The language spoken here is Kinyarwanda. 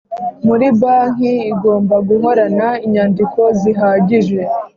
Buri banki igomba guhorana inyandiko zihagije